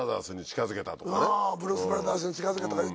『ブルース・ブラザース』に近づけたとか言ってた。